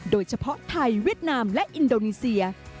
โดยเฉพาะไทยเวียดนามและอินโดนีเซีย